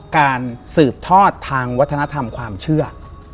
การสืบทอดทางวัฒนธรรมความเชื่อ